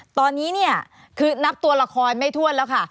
ตอนนี้เนี่ยคือนับตัวละครไม่ถ้วนแล้วค่ะ